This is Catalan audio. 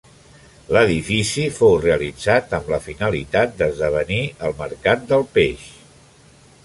L'edifici fou realitzat amb la finalitat d'esdevenir el mercat del peix.